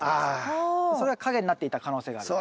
それが陰になっていた可能性がある。